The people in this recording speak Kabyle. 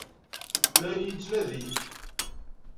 La iyi-yettnadi?